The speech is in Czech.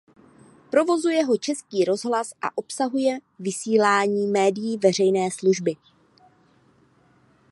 Provozuje ho Český rozhlas a obsahuje vysílání médií veřejné služby.